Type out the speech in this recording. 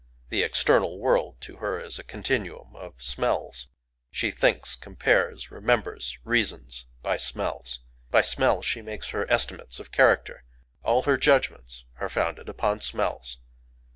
The external world to her is "a continuum of smells." She thinks, compares, remembers, reasons by smells. By smell she makes her estimates of character: all her judgments are founded upon smells.